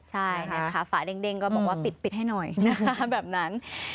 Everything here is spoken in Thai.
ใช่ขาฝาเด้งก็บอกว่าปิดให้หน่อยแบบนั้น